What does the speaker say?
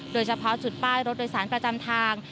โดยเฉพาะจุดป้ายรถโดยสารประจำทาง